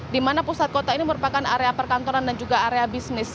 di mana pusat kota ini merupakan area perkantoran dan juga area bisnis